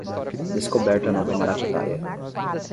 Descoberta nova maracutaia